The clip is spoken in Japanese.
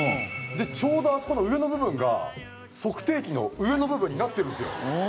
ちょうどあそこの上の部分が測定器の上の部分になってるんですよ。